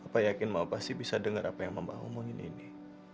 papa yakin mama pasti bisa dengar apa yang mama omongin ini